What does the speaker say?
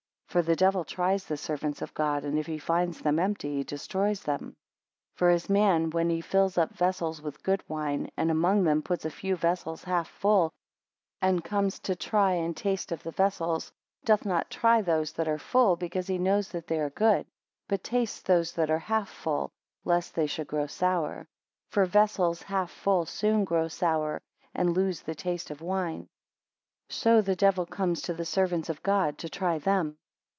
For the devil tries the servants of God and if he finds them empty, he destroys them. 28 For as man, when he fills up vessels with good wine, and among them puts a few vessels half full, and comes to try and taste of the vessels, doth not try those that are full, because he knows that they are good, but tastes those that are half full, lest they should grow sour; (for vessels half full soon grow sour, and lose the taste of wine:) so the devil comes to the servants of God to try them.